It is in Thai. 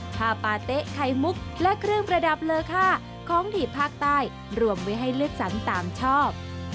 ผ้าปาเต๊ะไข่มุกและเครื่องประดับเลอค่าของถีบภาคใต้รวมไว้ให้เลือกสรรตามชอบ